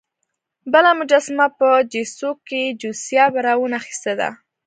بله مجسمه په چیسوک کې جوزیا براون اخیستې ده.